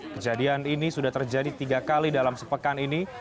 kejadian ini sudah terjadi tiga kali dalam sepekan ini